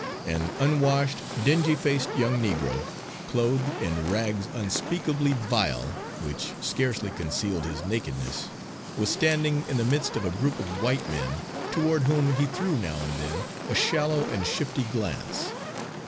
An unwashed, dingy faced young negro, clothed in rags unspeakably vile, which scarcely concealed his nakedness, was standing in the midst of a group of white men, toward whom he threw now and then a shallow and shifty glance.